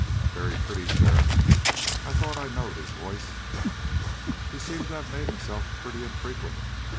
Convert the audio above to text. "Very pretty, sheriff. I thought I knowed his voice." "He seems to have made himself pretty infrequent.